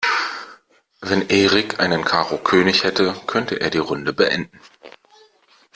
Wenn Erik einen Karo-König hätte, könnte er die Runde beenden.